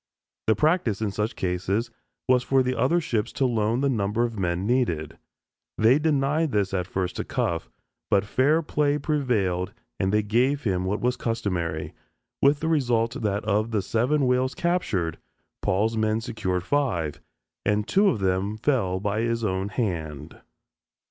The practice in such cases was for the other ships to loan the number of men needed. They denied this at first to Cuffe, but fair play prevailed and they gave him what was customary, with the result that of the seven whales captured, Paul's men secured five, and two of them fell by his own hand!